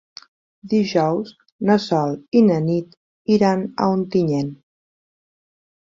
Dijous na Sol i na Nit iran a Ontinyent.